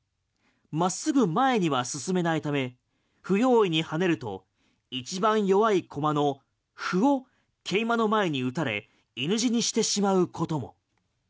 真っすぐ前には進めないため不用意に跳ねると一番弱い駒の歩を桂馬の前に打たれ犬死にしてしまうことも。